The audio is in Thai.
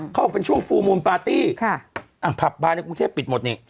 เขาเป็นช่วงฟูลมูนปาร์ตี้ค่ะอ่าผัสบ้านในกรุงเทพปิดหมดนี่